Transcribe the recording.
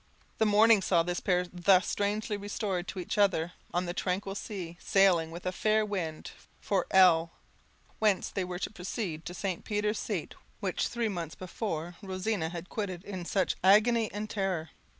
The morning saw this pair thus strangely restored to each other on the tranquil sea, sailing with a fair wind for L , whence they were to proceed to Sir Peter's seat, which, three months before, Rosina had quitted in such agony and terror.